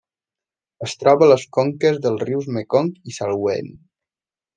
Es troba a les conques dels rius Mekong i Salween.